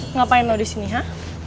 ngapain lo disini ha